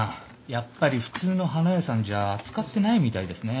やっぱり普通の花屋さんじゃ扱ってないみたいですね。